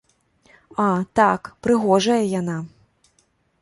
А, так, прыгожая яна.